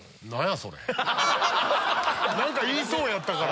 何か言いそうやったから。